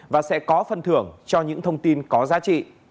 và sẽ có phân thưởng cho những thông tin có giá trị